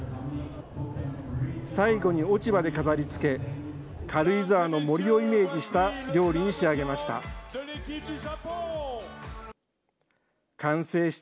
最後に落ち葉で飾りつけ、軽井沢の森をイメージした料理に仕上げました。